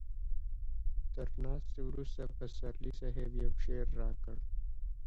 تر ناستې وروسته پسرلي صاحب يو شعر راکړ.